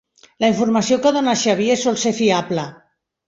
La informació que dóna el Xavier sol ser fiable.